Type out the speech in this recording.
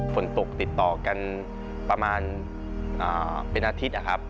ฝนตกติดต่อกันประมาณเป็นอาทิตย์นะครับ